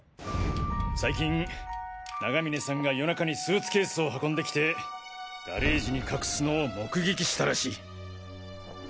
最近永峰さんが夜中にスーツケースを運んできてガレージに隠すのを目撃したらしい。